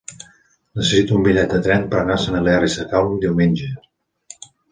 Necessito un bitllet de tren per anar a Sant Hilari Sacalm diumenge.